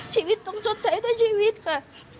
ชีวิตต้องชดใช้ด้วยชีวิตค่ะ